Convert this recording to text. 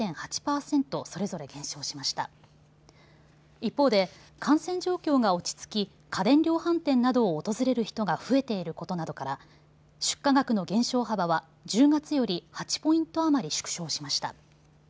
一方で感染状況が落ち着き家電量販店などを訪れる人が増えていることなどから出荷額の減少幅は１０月より８ポイント余り縮小しました。